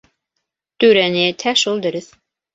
Түрә ни әйтһә, шул дөрөҫ.